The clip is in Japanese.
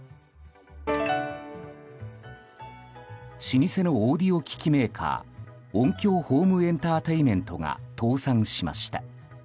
老舗のオーディオ機器メーカーオンキヨーホームエンターテインメントが倒産しました。